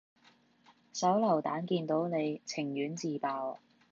手榴彈見到你，情願自爆